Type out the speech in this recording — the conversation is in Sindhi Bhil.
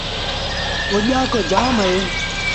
اوڄآڪو جآم اهي۔